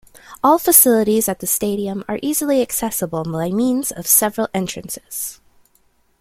All facilities at the stadium are easily accessible by means of several entrances.